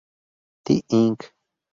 Ty Inc.